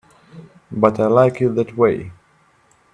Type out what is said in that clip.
But I like it that way.